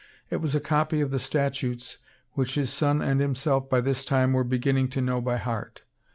It was a copy of the statutes which his son and himself by this time were beginning to know by heart.